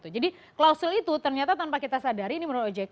jadi klausul itu ternyata tanpa kita sadari ini menurut ojk